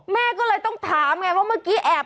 แม่ก็เลยต้องถามไงว่าเมื่อกี้แอบ